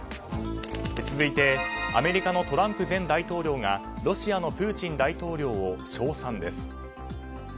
続いてアメリカのトランプ前大統領がロシアのプーチン大統領を称賛です。